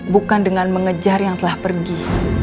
bukan dengan mengejar yang telah pergi